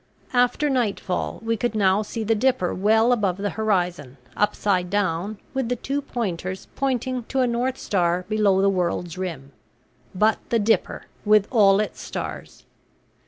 After nightfall we could now see the Dipper well above the horizon upside down, with the two pointers pointing to a north star below the world's rim; but the Dipper, with all its stars.